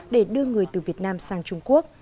để đưa người từ việt nam sang trung quốc